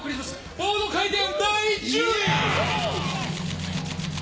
ボード回転、第１０位。